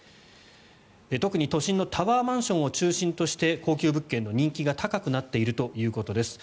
特に都心のタワーマンションを中心として高級物件の人気が高くなっているということです。